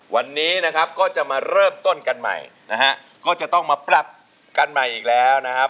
วันนี้นะครับก็จะมาเริ่มต้นกันใหม่นะฮะก็จะต้องมาปรับกันใหม่อีกแล้วนะครับ